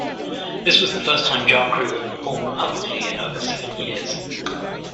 This was the first time Jarcrew have performed publicly in over seven years.